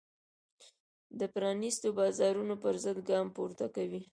د پرانیستو بازارونو پرضد ګام پورته کوي.